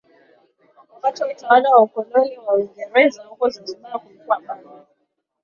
Wakati wa utawala wa ukoloni wa Uingereza huko Zanzibar kulikuwa bado